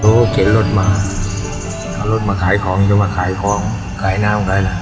โอ้เห็นรถมาถ้ารถมาขายของจะมาขายของขายน้ำขายน้ำ